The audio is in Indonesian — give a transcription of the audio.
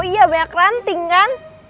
iya banyak ranting kan